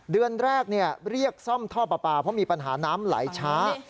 เดือนแรกเรียกซ่อมท่อปลาปลาเพราะมีปัญหาน้ำไหลช้า